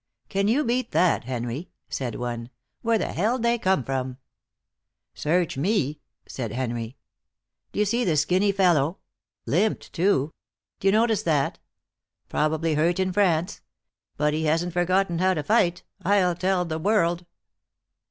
"Can you beat that, Henry?" said one. "Where the hell'd they come from?" "Search me," said Henry. "D'you see the skinny fellow? Limped, too. D'you notice that? Probably hurt in France. But he hasn't forgotten how to fight, I'll tell the world."